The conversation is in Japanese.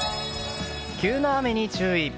急な雨に注意。